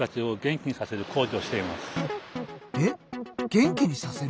えっ元気にさせる？